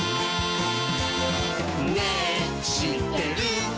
「ねぇしってる？」